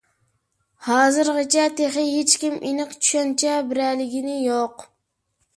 ھازىرغىچە تېخى ھېچكىم ئېنىق چۈشەنچە بېرەلىگىنى يوق.